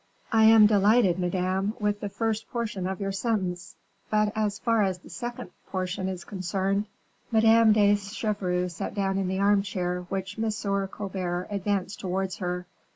"I am delighted, madame, with the first portion of your sentence; but, as far as the second portion is concerned " Madame de Chevreuse sat down in the armchair which M. Colbert advanced towards her.